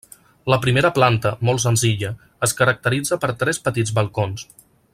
La primera planta, molt senzilla, es caracteritza per tres petits balcons.